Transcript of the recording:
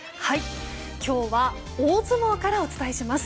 今日は、大相撲からお伝えします。